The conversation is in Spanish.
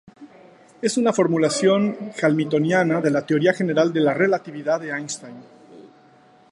Es una formulación hamiltoniana de la Teoría General de la Relatividad de Einstein.